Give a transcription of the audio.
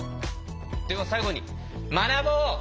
では最後に学ぼう！